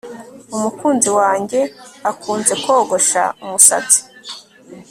Umukunzi wanjye akunze kogosha umusatsi